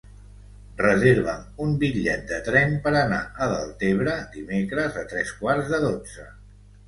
Reserva'm un bitllet de tren per anar a Deltebre dimecres a tres quarts de dotze.